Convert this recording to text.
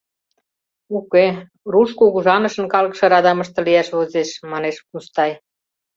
— Уке, руш кугыжанышын калыкше радамыште лияш возеш, — манеш Мустай.